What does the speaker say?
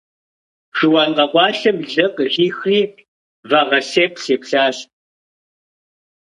Шыуан къэкъуалъэм лы къыхихри, вагъэсеплъ еплъащ.